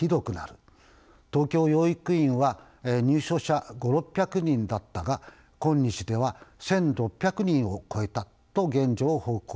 東京養育院は入所者５００６００人だったが今日では１，６００人を超えた」と現状を報告しました。